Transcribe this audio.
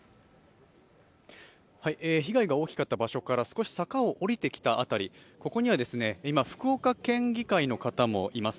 被害が大きかった場所から少し坂を下りてきた辺り、ここには今、福岡県議会の方もいます。